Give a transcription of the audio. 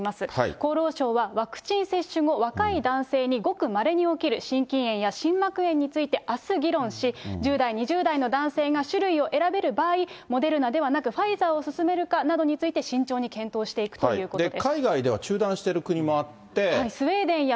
厚労省はワクチン接種後、若い男性にごくまれに起きる心筋炎や心膜炎に関して、あす議論し１０代、２０代の男性が種類を選べる場合、モデルナでは、ファイザーを勧めるかなどについて、慎重に検討しているということです。